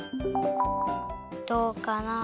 どうかな？